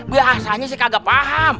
bahasanya sih kagak paham